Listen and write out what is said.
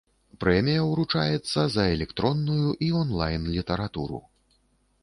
Прэмія ўручаецца за электронную і онлайн-літаратуру.